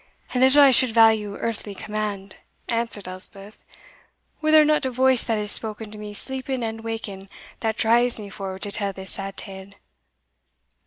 "And little I should value earthly command," answered Elspeth, "were there not a voice that has spoken to me sleeping and waking, that drives me forward to tell this sad tale.